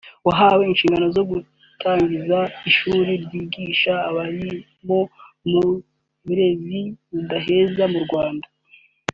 wahawe inshingano zo gutangiza ishuri ryigisha abarimu mu burezi budaheza mu Rwanda